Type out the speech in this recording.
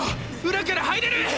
裏から入れる！！